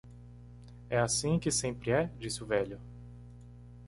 "É assim que sempre é?" disse o velho.